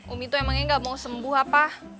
umi itu emangnya gak mau sembuh apa